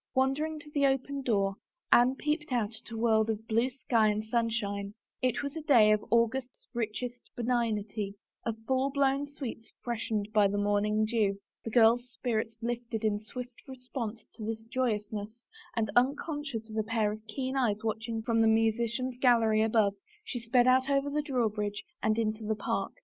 Wandering to the open door Anne peeped out at a world of blue sky and sunshine. It was a day of August's richest benignity, of full blown sweets fresh 38 A ROSE AND SOME WORDS ened by the morning dew. The girl's spirits lifted in swift response to its joyousness and unconscious of a pair of keen eyes watching from the musician's gallery above she sped out over the drawbridge and into the park.